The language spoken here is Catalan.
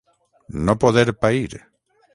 No poder pair.